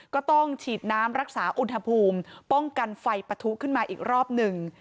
ก็ต้องฉีดน้ำรักษาอุณหภูมิป้องกันไฟปะทุขึ้นมาอีกรอบหนึ่ง